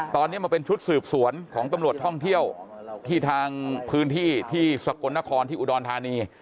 ตอนนี้มาเป็นชุดสืบสวนของตำรวจท่องเที่ยวที่ทางพื้นที่ที่สกลนครที่อุดรธานี